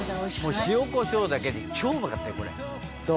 「塩コショウだけで超うまかったよこれ」どう？